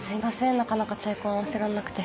なかなか『チャイコン』合わせられなくて。